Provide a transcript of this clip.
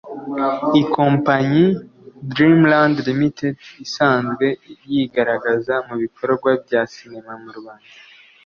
Ikompanyi Dreamland Ltd isanzwe yigaragaza mu bikorwa bya cinema mu Rwanda